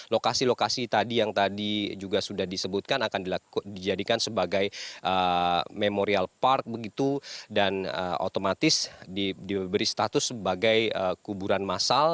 lokasi lokasi tadi yang tadi juga sudah disebutkan akan dijadikan sebagai memorial park begitu dan otomatis diberi status sebagai kuburan masal